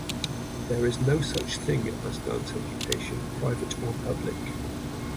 There is no such thing as dance education, private or public.